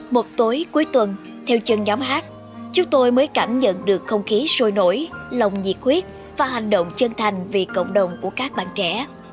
một tối cuối tuần theo chân nhóm hát chúng tôi mới cảm nhận được không khí sôi nổi lòng nhiệt huyết và hành động chân thành vì cộng đồng của các bạn trẻ